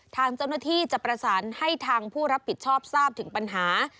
ทางเจ้าหน้าที่จะประสานให้ทางผู้รับผิดชอบทราบถึงปัญหา